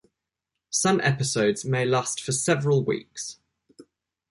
Some episodes may last for several weeks.